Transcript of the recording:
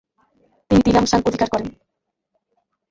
তিনি তিলামসান অধিকার করেন।